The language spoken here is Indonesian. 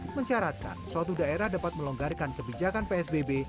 pemerintahan bapak nas mencaratkan suatu daerah dapat melonggarkan kebijakan psbb